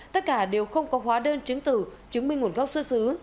tất cả đều không có hóa đơn chứng tử chứng minh nguồn gốc xuất xứ